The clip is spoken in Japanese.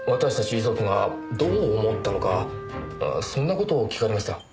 遺族がどう思ったのかそんな事を聞かれました。